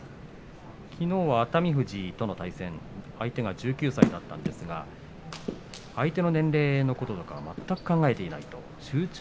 きのうは熱海富士との対戦相手は１９歳だったんですが相手の年齢のこととか全く考えていないと。